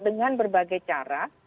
dengan berbagai cara